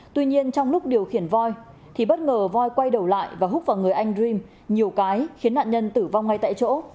tuy nhiên trong lúc điều khiển voi thì bất ngờ voi quay đầu lại và hút vào người anh dream nhiều cái khiến nạn nhân tử vong ngay tại chỗ